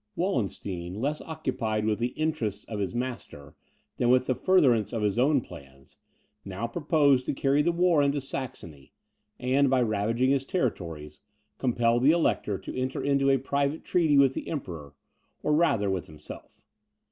Wallenstein, less occupied with the interests of his master, than with the furtherance of his own plans, now purposed to carry the war into Saxony, and by ravaging his territories, compel the Elector to enter into a private treaty with the Emperor, or rather with himself.